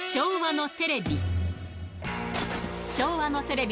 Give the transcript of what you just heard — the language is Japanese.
昭和のテレビ。